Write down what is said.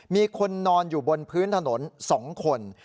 มีคนนอนอยู่บนพื้นถนน๒คน